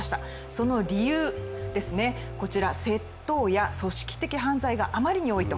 その理由ですね、こちら、窃盗や組織的犯罪があまりにも多いと。